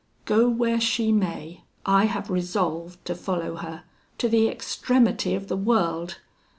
Go where she may, I have resolved to follow her to the extremity of the world.